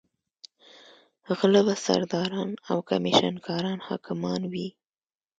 غله به سرداران او کمېشن کاران حاکمان وي.